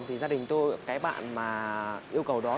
thì gia đình tôi cái bạn mà yêu cầu đó